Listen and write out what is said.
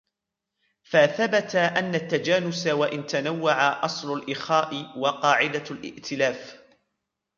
فَثَبَتَ أَنَّ التَّجَانُسَ ، وَإِنْ تَنَوَّعَ ، أَصْلُ الْإِخَاءِ وَقَاعِدَةُ الِائْتِلَافِ